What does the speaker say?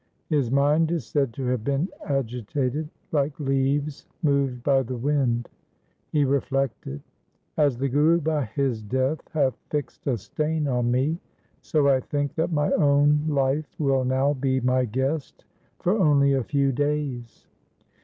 His mind is said to have been agitated like leaves moved by the wind. He reflected :' As the Guru by his death hath fixed a stain on me, so I think that my own life will now be my guest for only a few days.'